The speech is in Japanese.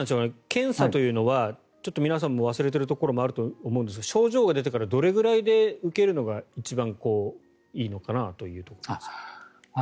検査というのはちょっと皆さんも忘れているところがあると思いますが症状が出てからどれくらいで受けるのが一番いいのかなというところですが。